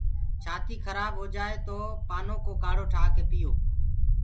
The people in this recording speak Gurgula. ڇآتي کرآب هوجآئي تو پآنو ڪو ڪآڙهو ٺآڪي پيو۔